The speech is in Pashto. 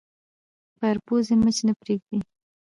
پر پوزې مچ نه پرېږدي